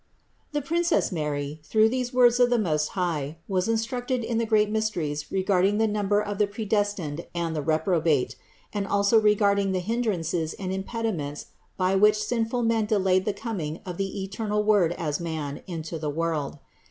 The Princess Mary, through these words of the Most High, was instructed in the great mysteries re garding the number of the predestined and the reprobate ; and also regarding the hindrances and impediments by which sinful men delayed the coming of the eternal Word as man into the world.